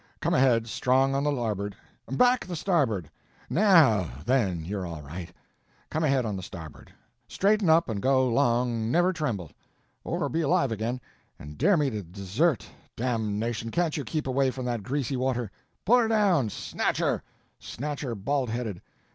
come ahead strong on the larboard! back the starboard!... now then, you're all right; come ahead on the starboard; straighten up and go 'long, never tremble: or be alive again, and dare me to the desert damnation can't you keep away from that greasy water? pull her down! snatch her! snatch her baldheaded!